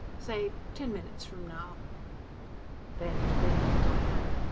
Say ten minutes from now." Baird grinned at Diane.